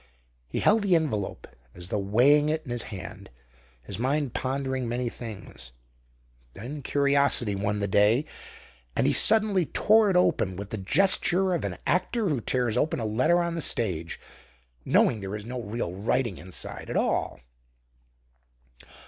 He held the envelope as though weighing it in his hand, his mind pondering many things. Then curiosity won the day, and he suddenly tore it open with the gesture of an actor who tears open a letter on the stage, knowing there is no real writing inside at all.